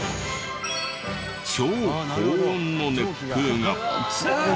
超高温の熱風が。